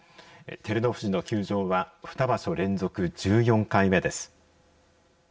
照ノ富士の休場は２場所連続、１４回目です